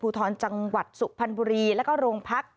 ทรจังหวัดสุพรรณบุรีแล้วก็โรงพัก